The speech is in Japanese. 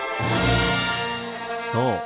そう！